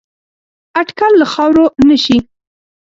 اټکل له خاورو نه شي